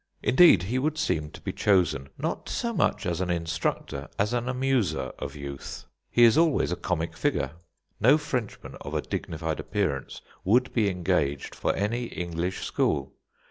Indeed, he would seem to be chosen not so much as an instructor as an amuser of youth. He is always a comic figure. No Frenchman of a dignified appearance would be engaged for any English school.